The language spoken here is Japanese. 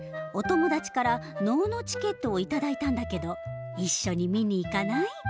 お友達から能のチケットを頂いたんだけど一緒に見に行かない？